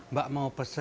mbak mau pesen